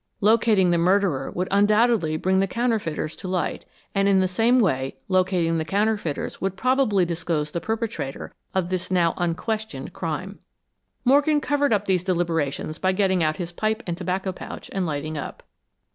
Locating the murderer would undoubtedly bring the counterfeiters to light, and in the same way, locating the counterfeiters would probably disclose the perpetrator of this now unquestioned crime. Morgan covered up these deliberations by getting out his pipe and tobacco pouch and lighting up.